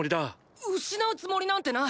失うつもりなんてない！